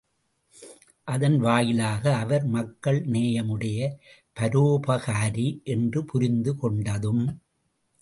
அதன் வாயிலாக அவர் மக்கள் நேயமுடைய பரோபகாரி என்று புரிந்து கொண்டதும்.